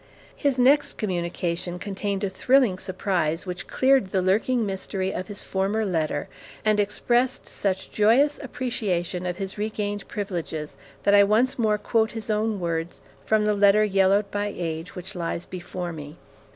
His next communication contained a thrilling surprise which cleared the lurking mystery of his former letter, and expressed such joyous appreciation of his regained privileges that I once more quote his own words, from the letter yellowed by age, which lies before me.